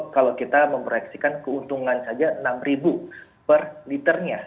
kalau kita memproyeksikan keuntungan saja enam ribu per liternya